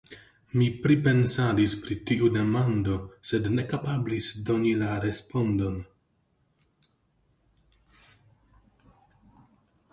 Mi pripensadis pri tiu demando, sed ne kapablis doni la respondon.